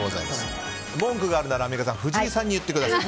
文句があるならアンミカさん藤井さんに言ってください。